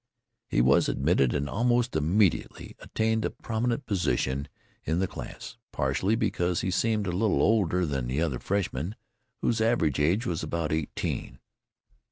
He was admitted, and almost immediately attained a prominent position in the class, partly because he seemed a little older than the other freshmen, whose average age was about eighteen.